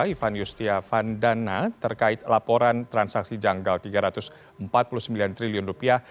ivan yustiavandana terkait laporan transaksi janggal tiga ratus empat puluh sembilan triliun rupiah